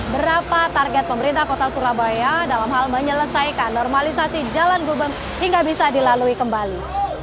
berapa target pemerintah kota surabaya dalam hal menyelesaikan normalisasi jalan gubeng hingga bisa dilalui kembali